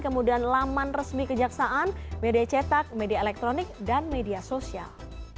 kemudian laman resmi kejaksaan media cetak media elektronik dan media sosial